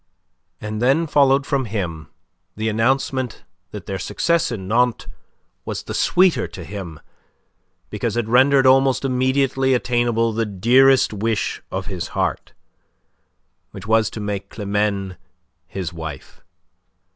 And then followed from him the announcement that their success in Nantes was the sweeter to him because it rendered almost immediately attainable the dearest wish of his heart, which was to make Climene his wife.